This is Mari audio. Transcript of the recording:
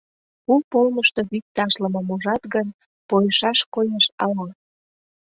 — Куп олмышто вӱд ташлымым ужат гын, пойышаш коеш ала?